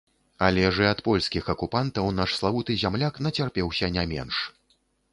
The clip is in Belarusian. Але ж і ад польскіх акупантаў наш славуты зямляк нацярпеўся не менш.